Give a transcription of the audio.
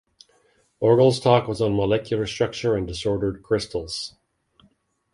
Orgel's talk was on Molecular Structure and Disordered Crystals.